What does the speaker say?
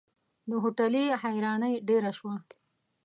د هوټلي حيراني ډېره شوه.